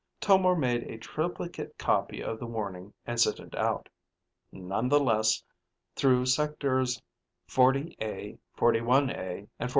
Tomar made a triplicate copy of the warning and sent it out, nonetheless, through Sectors 40A, 41A, and 42A.